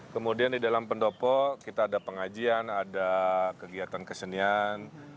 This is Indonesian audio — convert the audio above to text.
kemudian di dalam pendopo kita ada pengajian ada kegiatan kesenian